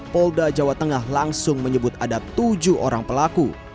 polda jawa tengah langsung menyebut ada tujuh orang pelaku